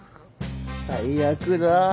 最悪だ。